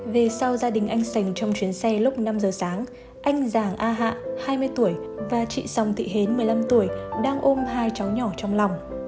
về sau gia đình anh sành trong chuyến xe lúc năm giờ sáng anh giàng a hạ hai mươi tuổi và chị sòng thị hến một mươi năm tuổi đang ôm hai cháu nhỏ trong lòng